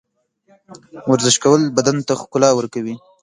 ورزش کول بدن ته ښکلا ورکوي.